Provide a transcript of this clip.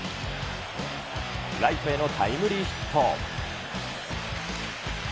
ライトへのタイムリーヒット。